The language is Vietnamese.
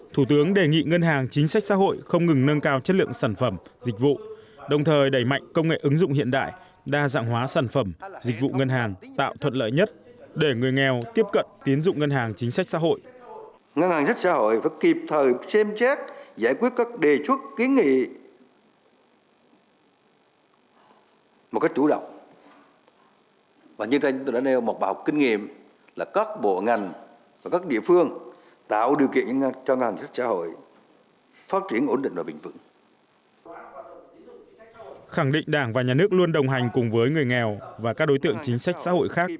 thủ tướng đề nghị ngân hàng chính sách xã hội không ngừng nâng cao chất lượng sản phẩm dịch vụ đồng thời đẩy mạnh công nghệ ứng dụng hiện đại đa dạng hóa sản phẩm dịch vụ ngân hàng tạo thuận lợi nhất để người nghèo tiếp cận tiến dụng ngân hàng chính sách xã hội